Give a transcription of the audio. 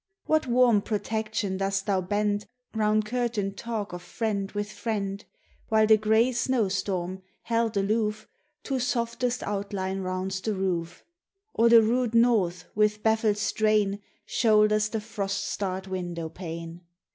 What warm protection dost thou bend Hound curtained talk of friend with friend, While the gray snow storm, held aloof, To softest outline rounds the roof, Or the rude North with battled strain Shoulders the frost starred window pane